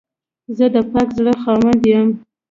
زه د پاک زړه خاوند یم.